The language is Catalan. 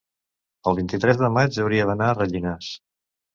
el vint-i-tres de maig hauria d'anar a Rellinars.